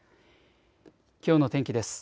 きょうの天気です。